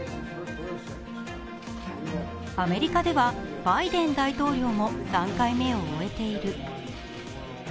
アメリカではバイデン大統領も３回目を終えている。